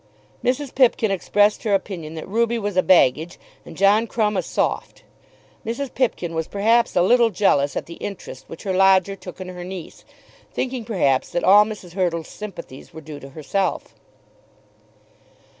Mrs. Pipkin expressed her opinion that Ruby was a "baggage" and John Crumb a "soft." Mrs. Pipkin was perhaps a little jealous at the interest which her lodger took in her niece, thinking perhaps that all Mrs. Hurtle's sympathies were due to herself.